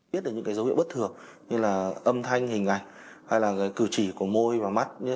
biết được những cái dấu hiệu bất thường như là âm thanh hình ảnh hay là cử chỉ của môi và mắt